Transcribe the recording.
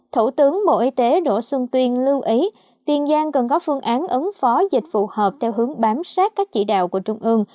thủ tướng bộ y tế đỗ xuân tuyên lưu ý tiền giang cần có phương án ứng phó dịch phù hợp theo hướng bám sát các chỉ đạo của trung ương